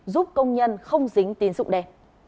giúp công nhân không dính tin sụng đe